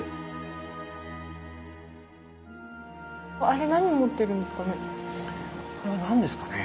あれ何を持ってるんですかね？